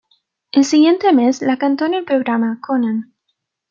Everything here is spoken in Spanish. El siguiente mes la cantó en el programa "Conan".